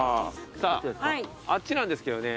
さああっちなんですけどね。